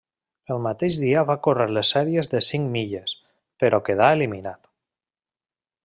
El mateix dia va córrer les sèries de les cinc milles, però quedà eliminat.